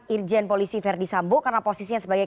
irjen polisi verdi sambo karena posisinya sebagai